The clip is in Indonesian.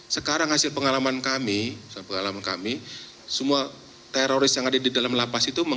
sekarang hasil pengalaman kami pengalaman kami semua teroris yang ada di dalam lapas itu